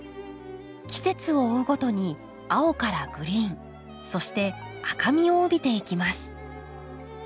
季節を追うごとに青からグリーンそして赤みを帯びていきます。